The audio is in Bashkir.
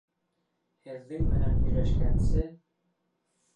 Һеҙҙең менән һөйләшкәнсе!..